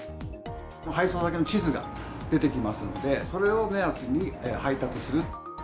配送先の地図が出てきますんで、それを目安に配達する。